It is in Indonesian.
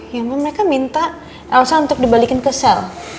yang mereka minta elsa untuk dibalikin ke sel